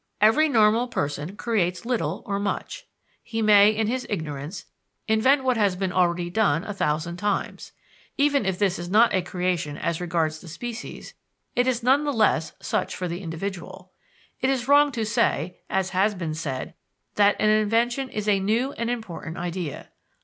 Every normal person creates little or much. He may, in his ignorance, invent what has been already done a thousand times. Even if this is not a creation as regards the species, it is none the less such for the individual. It is wrong to say, as has been said, that an invention "is a new and important idea."